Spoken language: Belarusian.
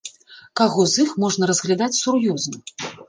Каго з іх можна разглядаць сур'ёзна?